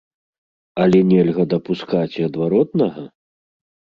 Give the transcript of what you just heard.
Але нельга дапускаць і адваротнага!